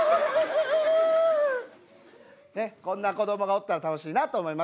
ねっこんな子どもがおったら楽しいなと思います。